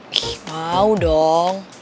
ih mau dong